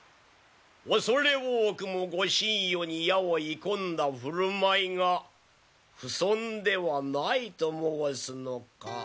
恐れ多くもご神輿に矢を射込んだ振る舞いが不遜ではないと申すのか！